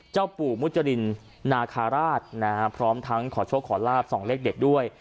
เจ้าปู่มุจรินนาคาราชนะฮะพร้อมทั้งขอโชคขอลาบส่องเลขเด็ดด้วย